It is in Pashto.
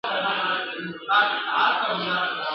نه فریاد یې له ستړیا سو چاته کړلای !.